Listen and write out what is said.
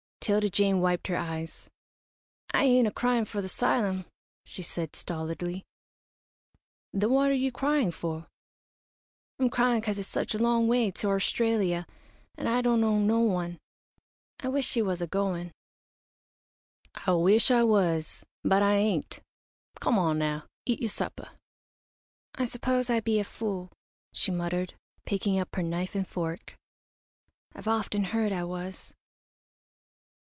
'Tilda Jane wiped her eyes. "I ain't a cryin' for the 'sylum," she said, stolidly. "Then what are you crying for?" "I'm cryin' 'cause it's such a long way to Orstralia, an' I don't know no one. I wish you was a goin'." "I wish I was, but I ain't. Come on now, eat your supper." "I suppose I be a fool," she muttered, picking up her knife and fork. "I've often heard I was."